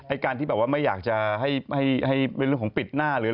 ไอ้การที่แบบไม่อยากให้เป็นเรื่องของปิดหน้า